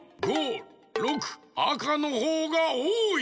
あかのほうがおおい。